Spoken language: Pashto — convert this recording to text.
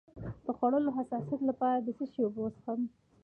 د خوړو د حساسیت لپاره د څه شي اوبه وڅښم؟